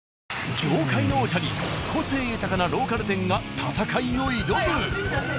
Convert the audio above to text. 業界の王者に個性豊かなローカル店が戦いを挑む！